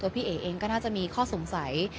พี่เอ๋เองก็น่าจะมีข้อสงสัย